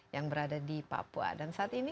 yang berada di papua dan saat ini